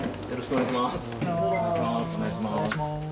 お願いします。